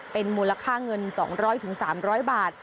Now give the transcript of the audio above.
เป็นมูลค่าเงิน๒๐๐๓๐๐บาท